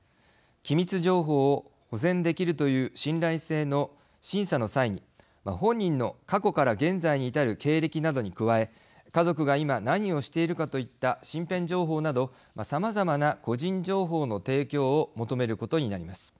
機密情報を保全できるという信頼性の審査の際に本人の過去から現在に至る経歴などに加え家族が今、何をしているかといった身辺情報などさまざまな個人情報の提供を求めることになります。